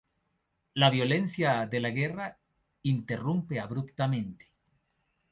La violencia de la guerra interrumpe abruptamente.